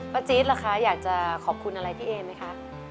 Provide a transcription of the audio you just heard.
จี๊ดล่ะคะอยากจะขอบคุณอะไรพี่เอไหมคะ